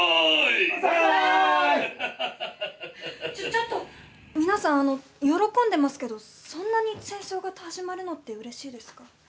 ちょっと、皆さん喜んでますけどそんなに戦争が始まるのってうれしいですか？